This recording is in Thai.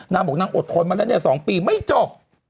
นางบอกนางอดทนมาละ๒ปีไม่จบ